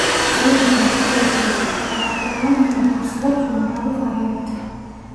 ზურგის მოხატულობა იმდენად მრავალფეროვანია, რომ არსებობს უამრავი ვარიანტი.